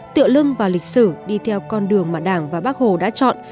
tựa lưng và lịch sử đi theo con đường mà đảng và bác hồ đã chọn